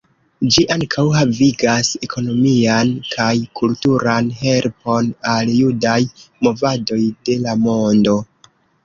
Ĝi ankaŭ havigas ekonomian kaj kulturan helpon al judaj movadoj de la mondo.